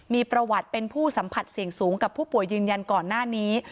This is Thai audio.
มีประวัติเป็นผู้สัมผัสเสี่ยงสูงกับผู้ป่วยยืนยันก่อนหน้านี้